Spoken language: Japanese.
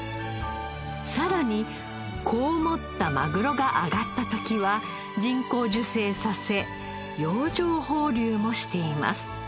さらに子を持ったマグロが揚がった時は人工授精させ洋上放流もしています。